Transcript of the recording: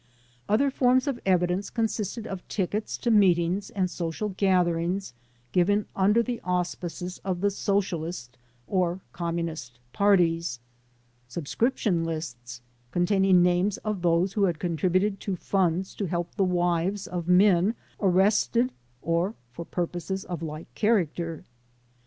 Other forms of evidence consisted of tickets to meet ings and social gatherings given under the auspices of the Socialist or Communist parties ; subscription lists con taining names of those who had contributed to funds to HOW THE ALIENS WERE TRIED 41 help the wives of men arrested or for purposes of like character.